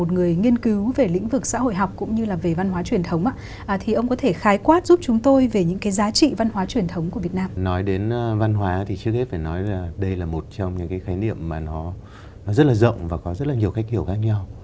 nói đến văn hóa thì trước hết phải nói là đây là một trong những cái khái niệm mà nó rất là rộng và có rất là nhiều cách hiểu khác nhau